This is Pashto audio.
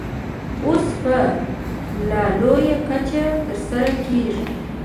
اوس په لا لویه کچه ترسره کېږي.